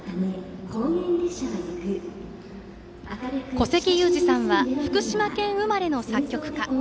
古関裕而さんは福島県生まれの作曲家。